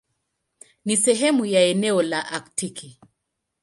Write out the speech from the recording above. Ni sehemu ya eneo la Aktiki.